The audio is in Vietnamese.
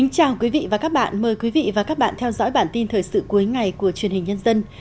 chào mừng quý vị đến với bản tin thời sự cuối ngày của truyền hình nhân dân